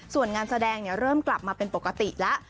ส่วนงานแสดงเริ่มกลับมาเป็นปกติแล้ว